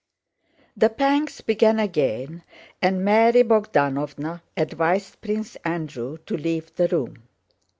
The pangs began again and Mary Bogdánovna advised Prince Andrew to leave the room.